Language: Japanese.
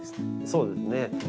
そうですね。